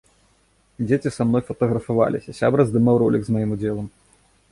Дзеці са мной фатаграфаваліся, сябра здымаў ролік з маім удзелам.